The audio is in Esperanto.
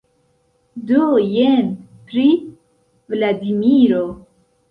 Do jen, pri Vladimiro.